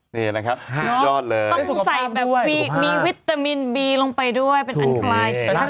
นี่นะครับสุดยอดเลยต้องใส่แบบมีวิตามินบีลงไปด้วยเป็นอันคลาย